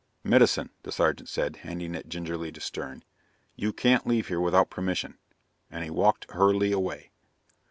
"Medicine," the sergeant said, handing it gingerly to Stern. "You can't leave here without permission." And he walked hurriedly away.